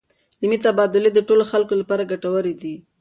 علمي تبادلې د ټولو خلکو لپاره ګټورې دي.